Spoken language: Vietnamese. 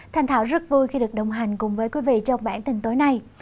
thành thảo rất vui khi được đồng hành cùng với quý vị trong bản tin tối nay